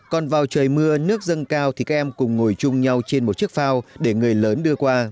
còn vào trời mưa nước dâng cao thì các em cùng ngồi chung nhau trên một chiếc phao để người lớn đưa qua